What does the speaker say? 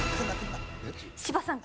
芝さん。